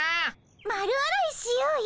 丸洗いしようよ。